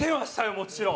もちろん。